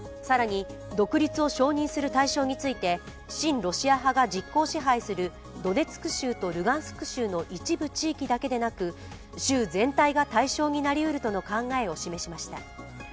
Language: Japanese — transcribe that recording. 更に、独立を承認する対象について親ロシア派が実効支配するドネツク州とルガンスク州の一部地域だけでなく州全体が対象になりうるとの考えを示しました。